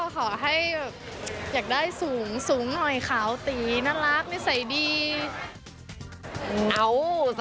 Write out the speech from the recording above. เป็นแบบตีหลอ